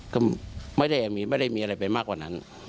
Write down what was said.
ก็ไม่ได้มีอะไรไปมากกว่านั้น